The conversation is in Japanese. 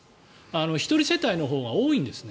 １人世帯のほうが多いんですね。